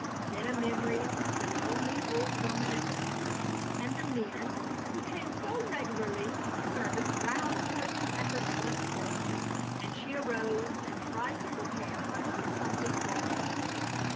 Then a memory of the lonely old woman at the camp, and the men, who came so regularly to the service, roused her to effort once more, and she arose and tried to prepare a little something for them.